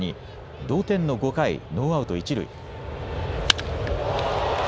同点の５回、ノーアウト一塁。